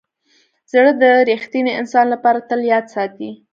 زړه د ریښتیني انسان لپاره تل یاد ساتي.